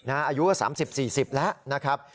อายุ๓๐๔๐แล้วนะครับ